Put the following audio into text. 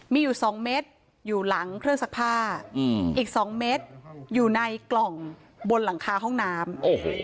มีอยู่๒เม็ดอยู่หลังเครื่องซักผ้าอีก๒เม็ดอยู่ในกล่องบนหลังคาห้องน้ำ